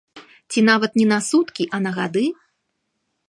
Ці нават не на суткі, а на гады?